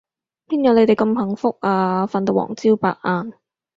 邊有你哋咁幸福啊，瞓到黃朝白晏